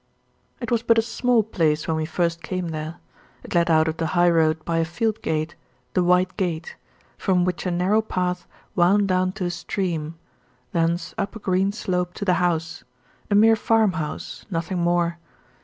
It was but a small place when we first came there. It led out of the high road by a field gate the White Gate; from which a narrow path wound down to a stream, thence up a green slope to the house; a mere farm house, nothing more.